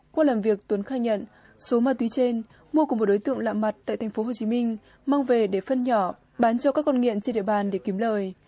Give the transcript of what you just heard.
qua làm việc tuấn khai nhận số ma túy trên mua của một đối tượng lạ mặt tại tp hcm mang về để phân nhỏ bán cho các con nghiện trên địa bàn để kiếm lời